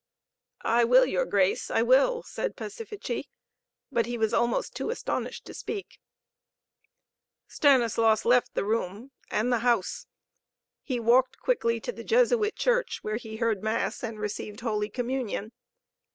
"I will, your grace, I will," said Pacifici. But he was almost too astonished to speak. Stanislaus left the room and the house. He walked quickly to the Jesuit church, where he heard Mass and received Holy Communion.